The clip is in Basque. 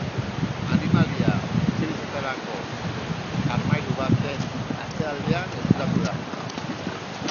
Animalia etxebizitzako armairu baten atzealdean ezkutatu da.